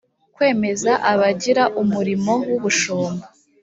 kwemeza abigira umurimo w ubushumba